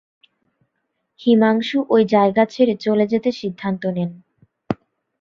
হিমাংশু ওই জায়গা ছেড়ে চলে যেতে সিদ্ধান্ত নেন।